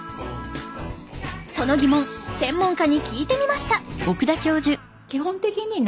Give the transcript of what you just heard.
その疑問専門家に聞いてみました！